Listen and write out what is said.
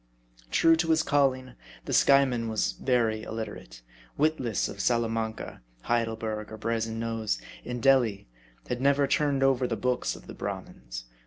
True to his calling, the Skyeman was very illiterate ; wit less of Salamanca, Heidelberg, or Brazen Nose ; in Delhi, had never turned over the books of the Brahmins.